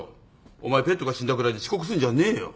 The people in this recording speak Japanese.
お前ペットが死んだぐらいで遅刻すんじゃねえよ。